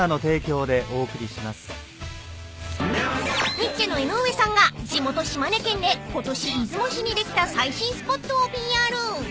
［ニッチェの江上さんが地元島根県でことし出雲市にできた最新スポットをＰＲ］